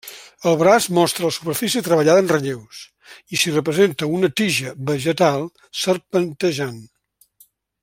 El braç mostra la superfície treballada en relleus, i s'hi representa una tija vegetal serpentejant.